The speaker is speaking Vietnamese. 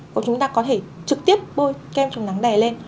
còn chúng ta có thể trực tiếp bôi kem chống nắng đè lên